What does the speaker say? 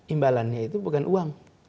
imbalannya itu bukan uang